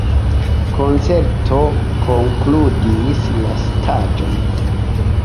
Koncerto konkludis la staĝon.